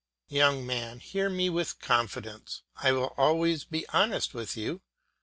Young man, hear me with confidence. I will always be honest with you.